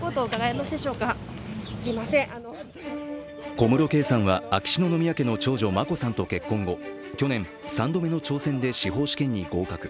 小室圭さんは秋篠宮家の長女・眞子さんと結婚後去年、３度目の挑戦で司法試験に合格。